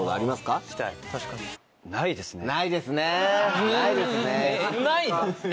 ないですね！